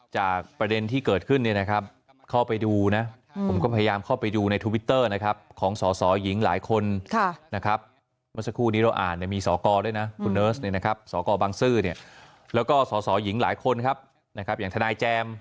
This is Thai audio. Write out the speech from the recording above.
มันเป็นเรื่องการเมืองครับผมตอบได้ค่อนข้างนี้